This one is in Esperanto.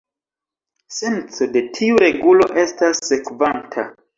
Senco de tiu regulo estas sekvanta.